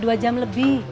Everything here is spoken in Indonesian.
dua jam lebih